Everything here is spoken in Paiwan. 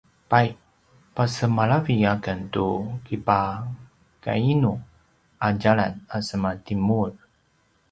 pay pasemalavi aken tu kipakainu a djalan a semaTimur?